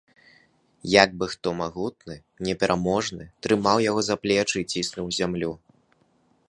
Як бы хто магутны, непераможны трымаў яго за плечы і ціснуў у зямлю.